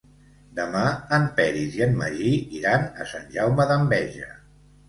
Demà en Peris i en Magí iran a Sant Jaume d'Enveja.